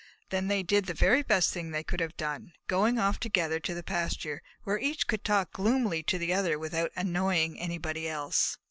Then they did the very best thing that they could have done, going off together to the pasture, where each could talk gloomily to the other without annoying anybody else.